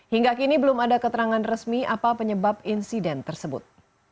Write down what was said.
hingga kini belum ada keterangan resmi apa penyebab insiden tersebut